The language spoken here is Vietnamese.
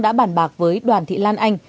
đã bản bạc với đoàn thị lan anh